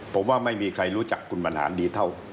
ผมว่าไม่มีใครรู้จักคุณบรรหารดีเท่า